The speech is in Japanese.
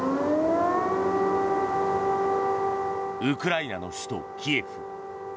ウクライナの首都キエフ。